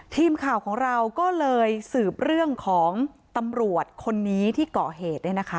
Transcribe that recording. ทีมข่าวของเราก็เลยสืบเรื่องของตำรวจคนนี้ที่เกาะเหตุเนี่ยนะคะ